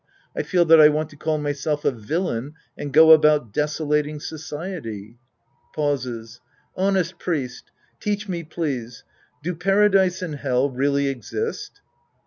I feel that I want to call myself a villain and go about desolating society. {Pauses^ Honest priest. Teach me, please ; do Paradise and Hell really exist